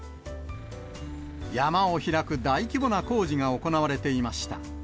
山を開く大規模な工事が行われていました。